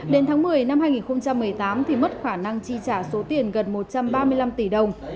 đến tháng một mươi năm hai nghìn một mươi tám thì mất khả năng chi trả số tiền gần một trăm ba mươi năm tỷ đồng